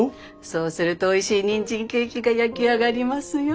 そうするとおいしいにんじんケーキが焼き上がりますよ。